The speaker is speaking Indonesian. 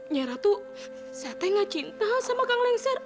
nyiratu saya teh gak cinta sama kang lengser